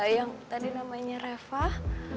yang tadi namanya refah